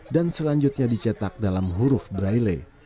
dan selanjutnya dicetak dalam huruf braille